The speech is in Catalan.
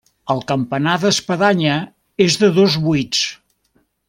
El campanar d'espadanya és de dos buits.